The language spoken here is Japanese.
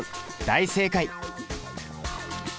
大正解！